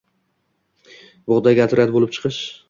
bug‘doyga otryad bo‘lib chiqish